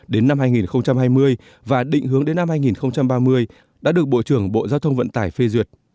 đến năm hai nghìn hai mươi và định hướng đến năm hai nghìn ba mươi đã được bộ trưởng bộ giao thông vận tải phê duyệt